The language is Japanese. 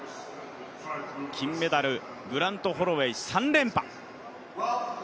金メダル、グラント・ホロウェイ、３連覇。